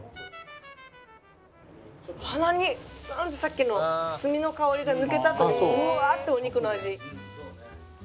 鼻にツーンとさっきの炭の香りが抜けたあとにブワーッてお肉の味。